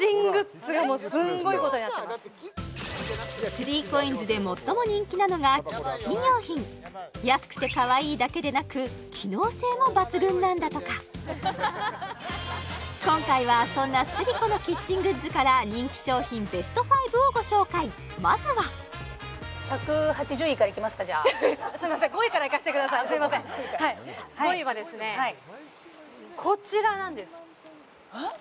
３ＣＯＩＮＳで最も人気なのがキッチン用品安くてかわいいだけでなく機能性も抜群なんだとか今回はそんなスリコのキッチングッズから人気商品ベスト５をご紹介まずはすみませんあっ５位から５位はですねこちらなんですは？